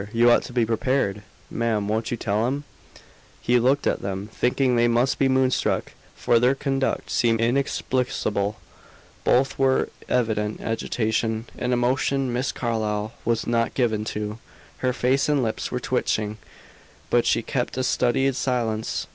You ought to be prepared. Ma'am, won't you tell him?" He looked at them, thinking they must be moonstruck, for their conduct seemed inexplicable. Both were in evident agitation, an emotion Miss Carlyle was not given to. Her face and lips were twitching, but she kept a studied silence. Mr.